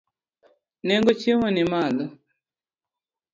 Nengo chiemo nimalo.